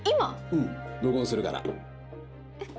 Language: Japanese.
うん録音するからえっ